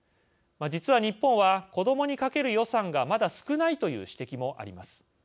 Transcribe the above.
実は日本は子どもにかける予算がまだ少ないという指摘もあります。